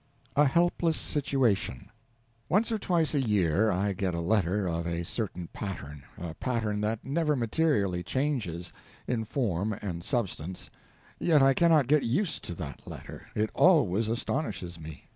A HELPLESS SITUATION Once or twice a year I get a letter of a certain pattern, a pattern that never materially changes, in form and substance, yet I cannot get used to that letter it always astonishes me.